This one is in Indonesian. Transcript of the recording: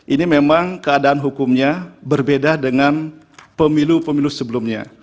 ini memang keadaan hukumnya berbeda dengan pemilu pemilu sebelumnya